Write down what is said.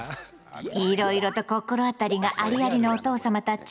いろいろと心当たりがありありのお父様たち。